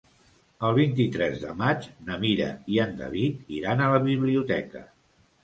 El vint-i-tres de maig na Mira i en David iran a la biblioteca.